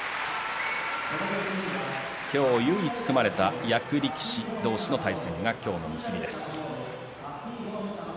今日、唯一組まれた役力士同士の対戦です今日の結び。